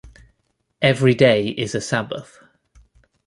Every day is a sabbath.